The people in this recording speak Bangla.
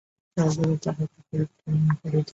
সর্বদা তাঁহাকে পরিভ্রমণ করিতে হইবে।